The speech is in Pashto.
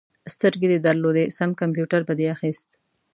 سترګې دې درلودې؛ سم کمپيوټر به دې اخيست.